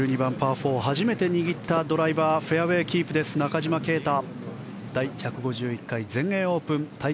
４初めて握ったドライバーでフェアウェーキープです中島啓太。